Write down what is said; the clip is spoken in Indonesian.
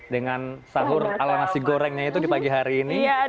dengan sahur ala nasi gorengnya itu di pagi hari ini